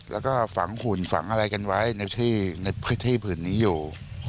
แล้วก็ฝังขุ่นฝังอะไรกันไว้ในพืชนี้อยู่